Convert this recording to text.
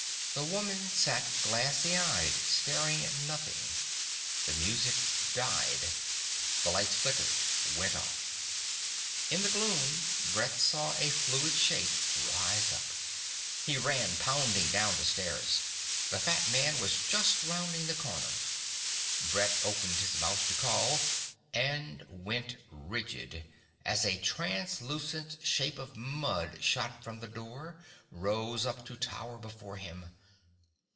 The woman sat glassy eyed, staring at nothing. The music died. The lights flickered, went off. In the gloom Brett saw a fluid shape rise up He ran, pounding down the stairs. The fat man was just rounding the corner. Brett opened his mouth to call and went rigid, as a translucent shape of mud shot from the door, rose up to tower before him.